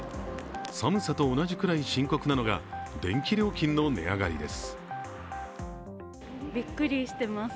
寒さと同じくらい深刻なのが電気料金の値上がりです。